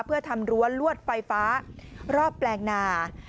เพื่อทำรั้วลวดไฟฟ้ารอบแปลงนา